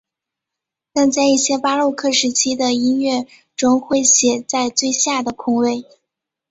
但在一些巴洛克时期的音乐中会写在最下的空位。